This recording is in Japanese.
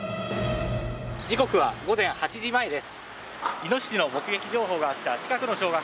時刻は午前８時前です。